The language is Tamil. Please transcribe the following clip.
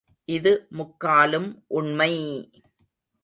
இது முக்காலும் உண்மை!